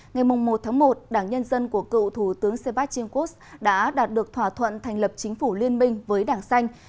ngày một một đảng nhân dân của cựu thủ tướng sebat jenkos đã đạt được thỏa thuận thành lập chính phủ liên minh với đảng xanh